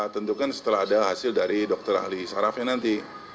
tentukan setelah ada hasil dari dokter ahli sarafnya nanti